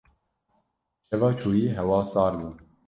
Şeva çûyî hewa sar bû.